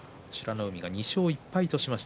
海が２勝１敗としました。